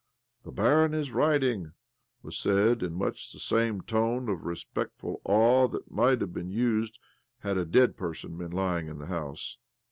' The barin is writing," was said in much the same tone of respect ful awe that might have been used had a dead person been lying in the house.